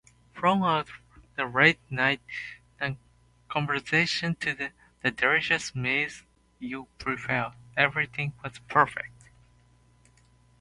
From our late-night conversations to the delicious meals you prepared, everything was perfect.